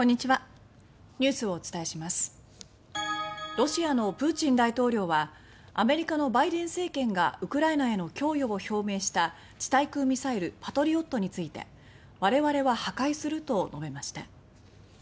ロシアのプーチン大統領はアメリカのバイデン政権がウクライナへの供与を表明した地対空ミサイル「パトリオット」について我々は破壊すると述べました。